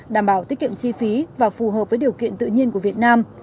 đảm bảo tiết kiệm chi phí và phù hợp với điều kiện tự nhiên của việt nam